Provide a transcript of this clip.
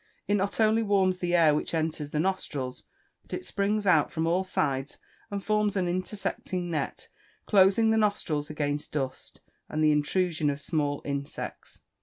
It not only warms the air which enters the nostrils, but it springs out from all sides, and forms an intersecting net, closing the nostrils against dust, and the intrusion of small insects.